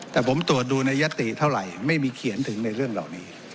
แต่ผมตรวจดูในยติเท่าไหร่ไม่มีเขียนถึงในเรื่องเหล่านี้